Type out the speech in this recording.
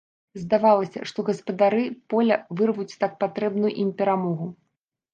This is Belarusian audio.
Здавалася, што гаспадары поля вырвуць так патрэбную ім перамогу.